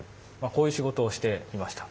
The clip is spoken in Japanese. こういう仕事をしていました。